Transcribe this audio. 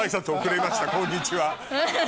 こんにちは。